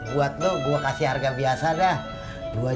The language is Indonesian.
buat lo gue kasih harga biasa dah